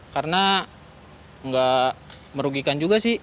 karena nggak merugikan juga sih